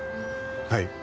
はい。